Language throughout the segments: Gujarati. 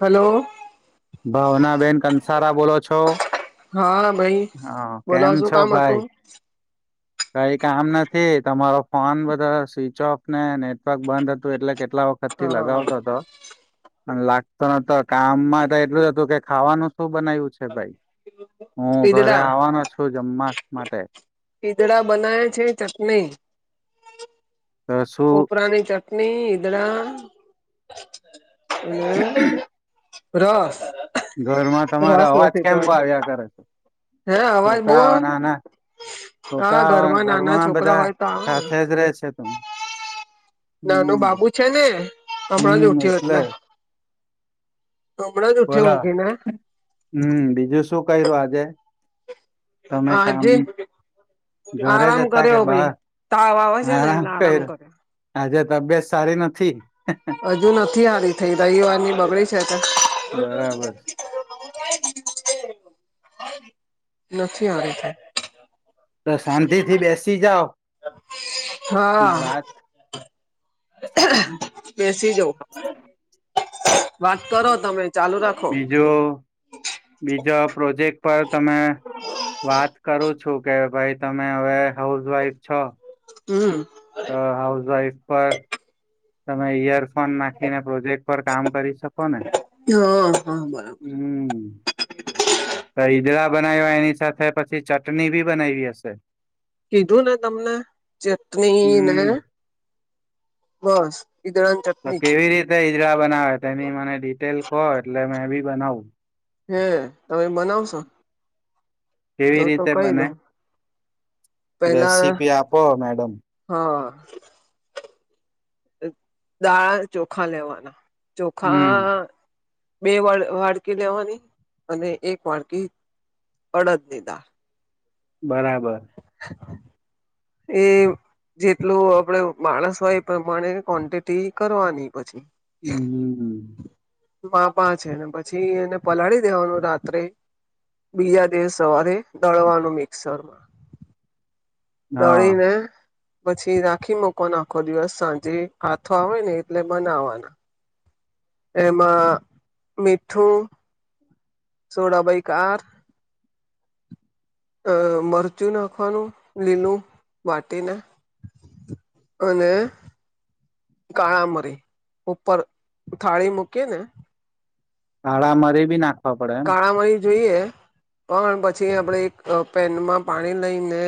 હાલો. સારા બોલો છો, હા ભાઈ હા બોલો કેમ શું છો કામ ભાઈ હતું કંઈ કામ નથી તમારો ફોન બધા સ્વિચ ઓફ ને નેટવર્ક બંધ હતું, એટલે કે કેટલા વખત થી હા લગાવતો હતો અને લાગતો નતો કામમાં એટલું હતું કે ખાવાનું શું બનાવ્યું છે, ભાઈ હું ઘરે ઈદડા આવવાનો છું, જમવા મા માટે. ઈદડા બનાયા છે, ચટણી તો શું કોપરાની ચટણી ઈદડા હું રસ. ઘરમાં તમારા રસ અવાજ નથી તો કેમ આવ્યા કરે છે, હે અવાજ બહુ છોકરાઓ આવે નાના હા છોકરાઓ નાના ઘરમાં છોકરા બધા હોય તો આવે ને સાથે જ રહે છે. પણ નાનો હું બાબુ છે ને હમણાં જ હું ઉઠ્યો એટલે જ. હમણાં જ ઉઠ્યો બોલો ઊંઘીને હમ બીજું શું કર્યું આજે તમે કામ, આજે ઘરે જ આરામ હતા કે કર્યો ભાઈ બહાર, તાવ આવે છે ને આરામ એટલે કર્યો, આજે તબી યત સારી નથી. હજુ નથી સારી થઈ રવિવાર ની બગડી છે, તો બરાબર છે નથી આવી તો શાંતિ થી બેસી જાઓ ને હા વાત બેસી જવ વાત કરો, તમે ચાલુ રાખો બીજું બીજા પ્રોજેક્ટ પર તમે વાત કરો છો. છું કે ભાઈ તમે હવે હાઉસવાઈફ છો. હું. અ હાઉસ વાઈફ પર તમે યર પણ નાખીને પ્રોજેક્ટ પર કામ કરી શકો ને, હ હા બરાબર, હમ બનાવા એની સાથે પછી ચટણી બી બનાવી હશે. કીધું ને તમને ચટણી ને હમ બસ ઈદડાની તો ચટણી કેવી રીતે ઈજડા બનાવે તેની મને ડિટેલ કહો એટલે મે બી બનાવું. હે તમે બનાવશો. તો કેવી તો રીતે કઈ દઉ બને. પેલા રેસીપી આપો મેડમ હા દાળ ચોખા લેવાના હમ ચોખા બે વાટકી લેવાની અને એક વાટકી અડદ ની દાળ. બરાબર એ જેટલું આપડે માણસ હોય એ પ્રમાણે ક્વન્ટિટી કરવાની પછી હું, હું, હું. મા પા છે ને પછી એને પલાળી દેવાનું રાત્રે બીજા દિવસ સવારે દળવાનું મિક્સરમાં હા દોડી ને પછી રાખી મકવાનો આખો દિવસ સાંજે હાથો આવે ને એટલે બનાવાના એમાં મીઠું સોડા બૈક અ મરચું નાખવાનું લીલું વાટીના અને કાળા મરી ઉપર થાળી મૂકી ને કાળા મરી બી નાખવા પડે એમ કાળા મરી જોઈએ પણ પછી આપણે એક પેનમાં પાણી લઈને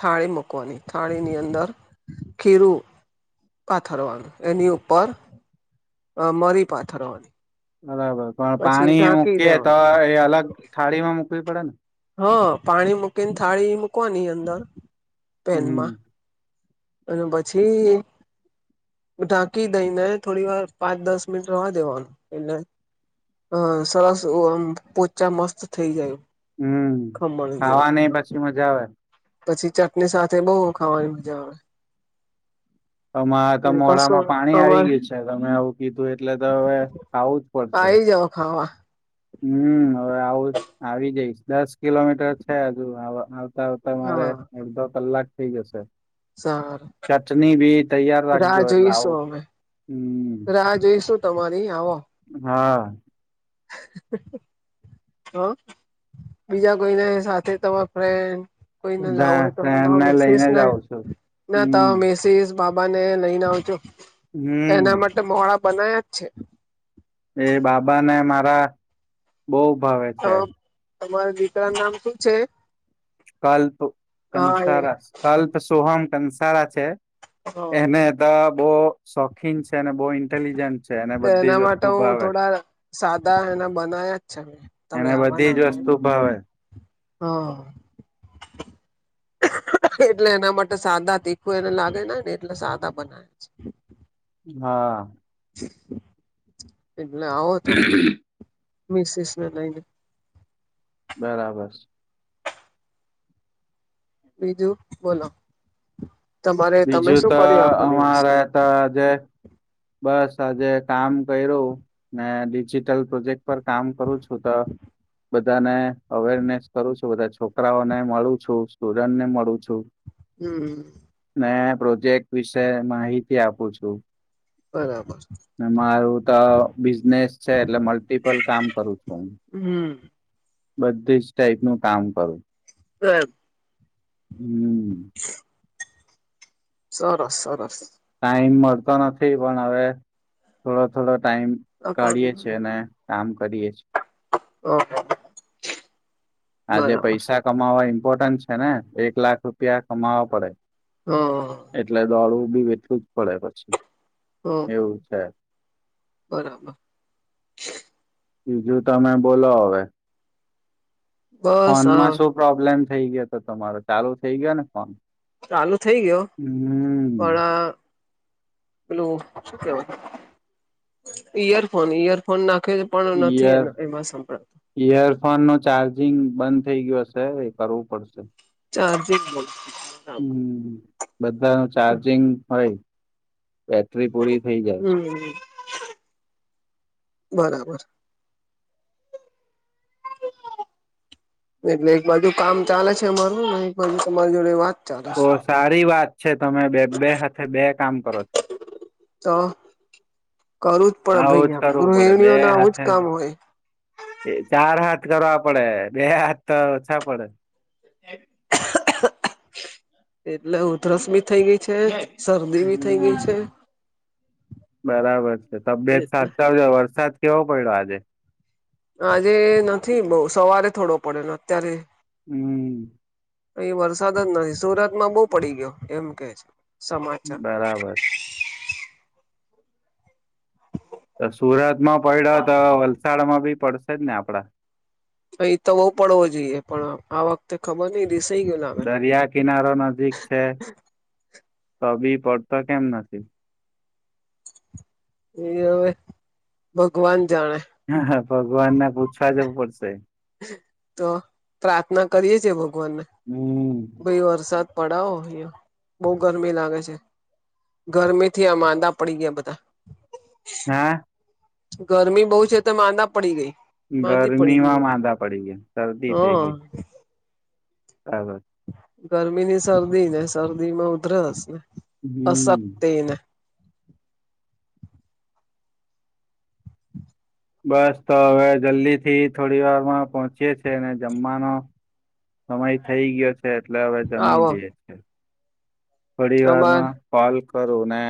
થાળી મૂકવાની થાળીની અંદર ખીરું પાથરવાનું એની ઉપર મરી પાથરવાની બરાબર પણ પછી પાણી ઢાંકી મૂકીએ તો દેવાનું એ અલગ થાળી માં મુકવી પડે ને હ પાણી મૂકીને થાળી મૂકવાની અંદર પેનમાં હમ અને પછી ઢાંકી દઈ ને થોડી વાર પાંચ દસ મિનિટ રવા દેવાનું એટલે હ સરસ આમ પોચા મસ્ત થઈ જાય હમ ખમણ ખાવા જેવા નઈ પછી મજા આવે પછી ચટણી સાથે બહ ખાવાની મજા આવે આમાં તો કશું મોડામાં પાણી આવી અમારે ગયું છે તમે આવું કીધું એટલે તો હવે ખાવું જ પડશે થઈ જાવ ખા હમ હવે આવું આવી જઈશ દસ કિલોમીટર છે હજુ આવતા આવતા મારે હા અડધો કલાક થઇ જશે સારું ચટણી ભી તૈયાર રાહ રાખજો એટલે જોઈશું આવું અમે હમ રાહ જોઈશું તમારી આવો હા [inaudible] હ બીજા કોઈને સાથે તમાર ફ્રેન્ડ કોઈ ના લાવું બધા હોય ફ્રેન્ડને તોસીસ લઈને જ ના આવ છું. ના ત હમ મેસીસ બાબા ને લઈને આવજો હમ એના માટે મોડાા બનાયા જ છે એ બાબાને મારા બહુ ભાવે તો છે તમારા દીતા નામ શું છે કલ્પ હા એ કંસારા કલ્પ સોહમ કંસારા છે હા એને હતા બહ શોખીન છે અને બહુ ઇન્ટેલિજન્ટ છે અને તો બધી એના જ માટે વસ્તુ હું ભાવે થોડા સાદા એના બનાયા જ છે મેં તમે એને બધી આવવાના જ હતા વસ્તુ એટલે. ભાવ હા એટલે એના માટે સાદા તીખું એને લાગે ને એટલે સાદા બનાવે છે હા એટલે આવો તમે મિસસ ના લઈને બરાબર બીજું બોલો તમારે તમે બીજું શું તો કર્યું આખો દિવસ અમારે હતા જે બસ આજે કામ કર્યું ને ડિજિટલ પ્રોજેક્ટ પર કામ કરું છું તો બધાને અવેરનેસ કરું છું બધા છોકરાઓને મળું છું સ્ટુડન્ટ ને મળું છું હમ ને પ્રોજેક્ટ વિશે માહિતી આપું છું બરાબર મારું તો બિઝનેસ છે એટલે મલ્ટિપલ કામ કરું છું હું હમ બધી જ ટાઈપનું કામ કરું હ [inaudible] હમ સરસ સરસ ટાઈમ મળતો નથી પણ હવે થોડો થોડો ટાઈમ કાઢીએ બરાબર છીએ એ અને કામ કરીએ છીએ ઓહ [unintelligible] આજે પૈસા કમાવા ઈમ્પોર્ટન્ટ છે ને એક લાખ રૂપિયા કમાવા પડે એટલે દોડું બી જ પડે પછી હમ એવું છે બરાબર બીજું તમે બોલો હવે બસ આ ફોનમાં શું પ્રોબ્લેમ થઈ ગયો હતો તમારો ચાલુ થઇ ગયો ને ચાલુ થઇ ગયો પણ હમ અ પેલું શું કેવ ઈયરફોન ઈયરફોન નાખ [unintelligible] ઇયર ઇયરફોન નો ચાર્જ જિંમ બંધ થઇ ગયો હશે એ કરવું પડશે ચાર્જિંગ બરાબર હમ બધા ન ચાર્જિંગ હોય બેટરી પૂરી થઇ જાય છે હમ બરાબર [inaudible] એટલે એક બાજુ કામ ચાલે છે અમારું એક બાજુ તમારી જોડે વાત ચાલે તો છે સારી વાત છે તમે બે હાથે બે કામ કરો છો તો કરવું જ હા પડે આવું જ ભાઈ આમ કરવું પડે બે ગૃહિણીઓને આવું જ હાથે કામ હોય એ ચાર હાથ કરવા પડે બે હાથ તો ઓછા પડે એટલે ઉધરસબી થઈ ગઈ છે શરદી બી થઈ ગઈ હમ છે બરાબર છે તબિયત એટલે સાચવજો વરસાદ કેવો પડ્યો આજે આજે નથી બહુ સવારે થોડો પડેલો અત્યારે હમ અહી વરસાદ જ નથી સુરતમાં બહુ પડી ગયો એમ કે છે સમાચાર બરાબર તો સુરત માં પડ્યો તો વલસાડમાં બી પડશે જ ને આપડા અહી તો બહુ પડવો જોઈએ પણ આ વખતે ખબર નહ દરિયા કિનારો નજીક છે તો બી પડતા કેમ નથી એ હવે ભગવાન જાણે હ હા ભગવાનને પૂછવા જવું પડશે તો પ્રાર્થના કરીયે છેએ ભ હમ હમ ભાઈ વરસાદ પડાવો અહીંયા બઉ ગરમી લાગે છે ગરમીથી આ માંદા પડી ગયા બધા હા ગરમી બહુ છે તો માંદા પડી ગઈ માંદી પડી ગઈ હું ગરમીમાં માંદા પડી ગયા હા ટાવર ગરમી ની શરદી ને શરદીમાં ઉધરસ ને હમ અશક્તિ બસ તો હવે જલ્દીથી થોડી વારમાં પહોંચીયે છીએ ને જમવા નું સમય થઇ ગયો છે એટલે હવે જમી આવો લઈ એ પરિવારમાં પાલ કરોને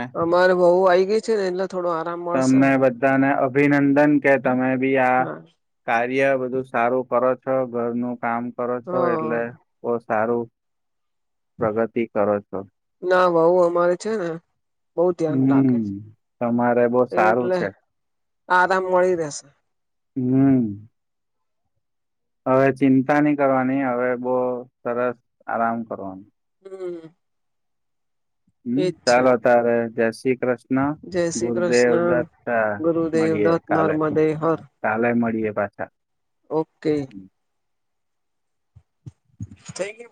વઉ આઈ ગઈ છે લગભગ તમેને બધાને અભિનંદન કે તમે બી આ હા કાર્ય બધું સારું કરો છો ઘરનું કામ કરો છો હા એટલે બહ સારું પ્રગતિ કરો છો બહુ અમારે છે ને બહુ ધ્યાન રાખે હમ તમારે બહુ છે સારું એટલે છે આરામ મળી રેસે હમ હવે ચિંતા નહી કરવાની હવે બઉં સરસ આરામ કરો હમ હમ એજ છે ચાલો તારે જય શ્રી કૃષ્ણ જય શ્રી ગુરુદેવ કૃષ્ણ દત્તતા ગુરુદેવ મળીએ દત્ત કાલે નર્મદે હર કાલે મળીએે પાછા ઓકે શ્રી